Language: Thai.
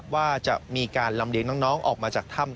ว่าจะมีการลำเลียงน้องออกมาจากถ้ำ